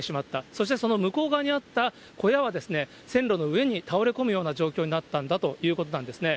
そしてその向こう側にあった小屋は線路の上に倒れ込むような状況になったんだということなんですね。